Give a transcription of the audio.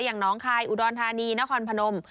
อย่างน้องคายอุดรธานีนครพนม